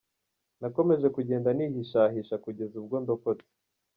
Nakomeje kugenda nihishahisha kugeza ubwo ndokotse.